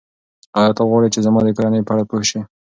ایا ته غواړې چې زما د کورنۍ په اړه پوه شې؟